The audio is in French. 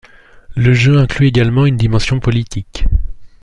Le jeu inclus également une dimension politique.